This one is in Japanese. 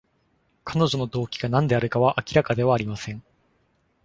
彼女の動機が何であるかは明らかではありません。